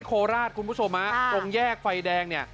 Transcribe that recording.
โคราชคุณผู้ชมฮะตรงแยกไฟแดงเนี่ย